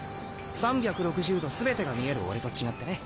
３６０°全てが見える俺と違ってね。